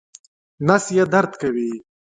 نس یې درد کوي